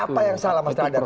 apa yang salah mas radar